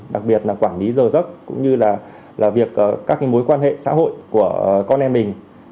đặc biệt là quản lý giờ giấc cũng như là việc các mối quan hệ xã hội của con em mình